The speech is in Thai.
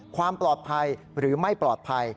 ความปลอดภัยหรือไม่ปลอดภัย